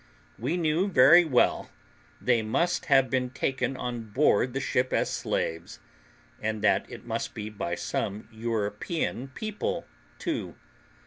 We knew very well they must have been taken on board the ship as slaves, and that it must be by some European people too.